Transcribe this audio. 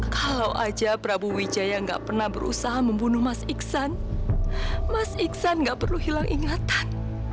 kalau aja prabu wijaya gak pernah berusaha membunuh mas iksan mas iksan nggak perlu hilang ingatan